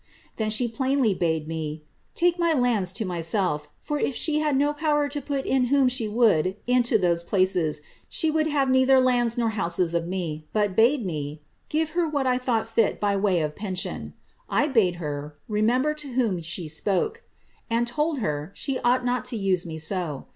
Then she plainly bade me * take my lands to myself; Hat if she had no power to put in whom she would into tliose places, she would have neitlier lands nor hou;«es of mc ;* but bade me ' give her what I thought fit by M'ay of pension.' I bade her * remember to whom she spoke ;" and told her *she ought not to use me so.'